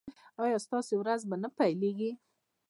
ایا ستاسو ورځ به نه پیلیږي؟